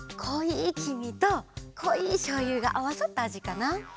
いきみとこいしょうゆがあわさったあじかな。